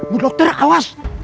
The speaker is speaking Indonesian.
bu dokter awas